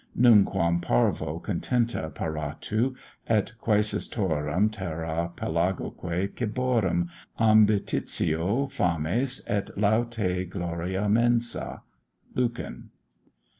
Nunquam parvo contenta paratu, Et quaesitorum terra pelagoque ciborum Ambitiosa fames, et lautae gloria mensae. LUCAN.